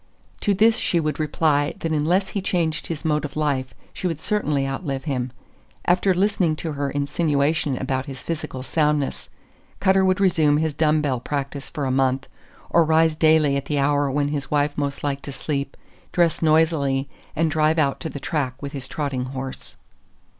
To this she would reply that unless he changed his mode of life, she would certainly outlive him. After listening to her insinuations about his physical soundness, Cutter would resume his dumb bell practice for a month, or rise daily at the hour when his wife most liked to sleep, dress noisily, and drive out to the track with his trotting horse.